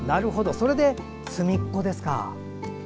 それで「つみっこ」ですか。